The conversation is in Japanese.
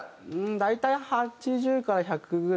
大体８０から１００ぐらいですかね。